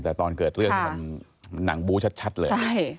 แต่ตอนเกิดเรื่องนี่มันหนังบู้ชัดเลย